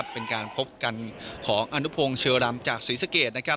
เป็นการพบกันของอนุพงเชอรำจากศรีสเกต